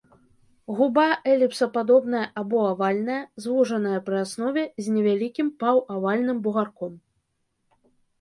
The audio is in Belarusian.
Губа эліпсападобная або авальная, звужаная пры аснове, з невялікім паўавальным бугарком.